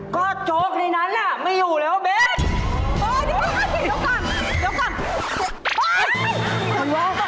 ก็โจ๊กในนั้นน่ะไม่อยู่แล้วเบส